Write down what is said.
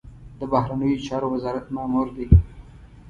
د بهرنیو چارو وزارت مامور دی.